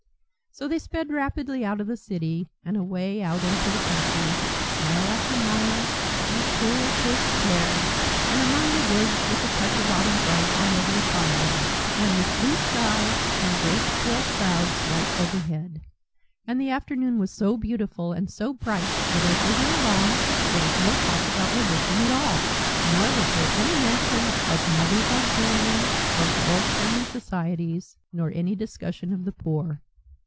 So they sped rapidly out of the City and away out into the country, mile after mile, through cool, crisp air, and among woods with the touch of autumn bright already upon them, and with blue sky and great still clouds white overhead. And the afternoon was so beautiful and so bright that as they went along there was no talk about religion at all! nor was there any mention of Mothers' Auxiliaries, or Girls' Friendly Societies, nor any discussion of the poor.